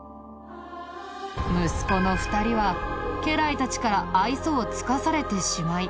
息子の２人は家来たちから愛想を尽かされてしまい